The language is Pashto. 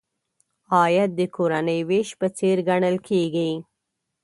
عاید د کورنۍ وېش په څېر ګڼل کیږي.